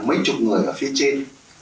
mấy chục người ở phía trên